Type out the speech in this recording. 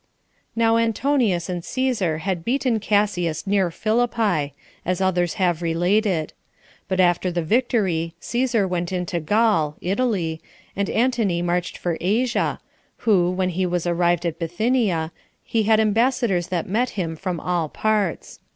2. Now Antonius and Cæsar had beaten Cassius near Philippi, as others have related; but after the victory, Cæsar went into Gaul, [Italy,] and Antony marched for Asia, who, when he was arrived at Bithynia, he had ambassadors that met him from all parts.